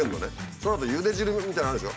そのあとゆで汁みたいなのあるでしょ？